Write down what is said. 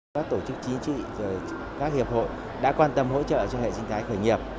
các tổ chức chính trị các hiệp hội đã quan tâm hỗ trợ cho hệ sinh thái khởi nghiệp